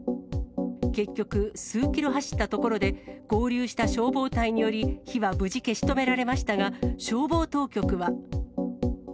結局、数キロ走ったところで、合流した消防隊により火は無事消し止められましたが、消防当局は。